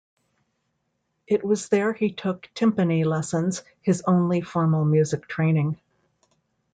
It was there he took timpani lessons, his only formal music training.